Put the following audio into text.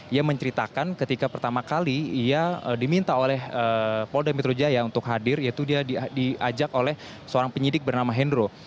ia menceritakan ketika pertama kali ia diminta oleh polda metro jaya untuk hadir yaitu dia diajak oleh seorang penyidik bernama hendro